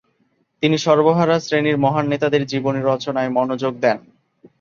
তিনি সর্বহারা শ্রেণীর মহান নেতাদের জীবনী রচনায় মনোযোগ দেন।